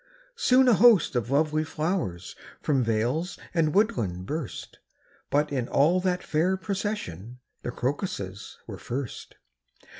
Soon a host of lovely flowers From vales and woodland burst; But in all that fair procession The crocuses were first.